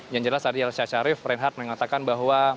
yang jelas tadi elsa syarif renhat mengatakan bahwa